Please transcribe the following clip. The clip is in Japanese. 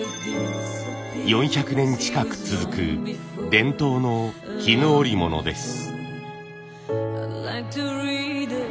４００年近く続く伝統の絹織物です。